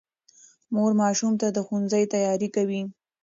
مور ماشوم ته د ښوونځي تیاری کوي